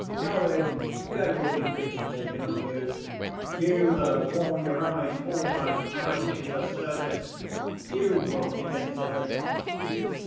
Courage! there will be pity taken on you: you that have worn your eyes almost out in the service, you will be considered.